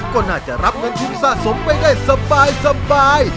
ก็น่าจะรับเงินที่วิทยาศาสตร์สมไปได้สบาย